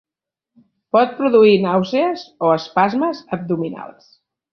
Pot produir nàusees o espasmes abdominals.